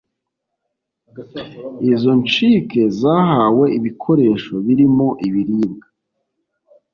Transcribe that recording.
Izo ncike zahawe ibikoresho birimo ibiribwa